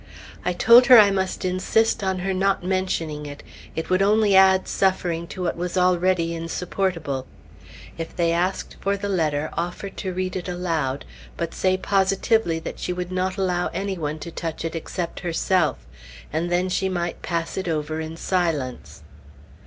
I told her I must insist on her not mentioning it; it would only add suffering to what was already insupportable; if they asked for the letter, offer to read it aloud, but say positively that she would not allow any one to touch it except herself, and then she might pass it over in silence.